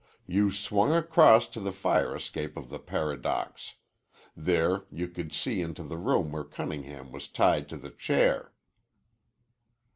You swung across to the fire escape of the Paradox. There you could see into the room where Cunningham was tied to the chair."